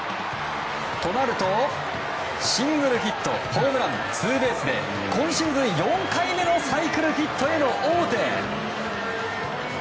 となると、シングルヒットホームラン、ツーベースで今シーズン４回目のサイクルヒットへの王手。